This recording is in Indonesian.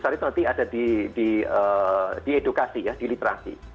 tapi nanti ada di edukasi ya di literasi